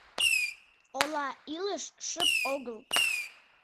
Ола илыш — шып огыл.